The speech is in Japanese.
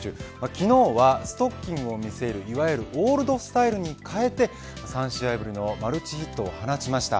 昨日はストッキングを見せるいわゆるオールドスタイルに変えて３試合ぶりのマルチヒットを放ちました。